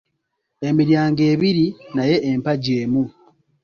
Emiryango ebiri naye empagi emu